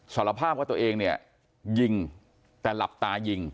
สารภาพว่าตัวเองเนี่ยยิงแต่หลับตายิง